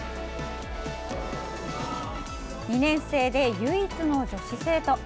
２年生で唯一の女子生徒。